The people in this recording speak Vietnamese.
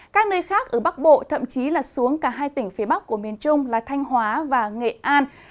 các nơi khác ở bắc bộ thậm chí là xuống cả hai tỉnh phía bắc của miền trung là thanh hóa và nghệ an